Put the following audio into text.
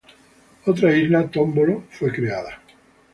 Otra isla, "Tómbolo", fue creada.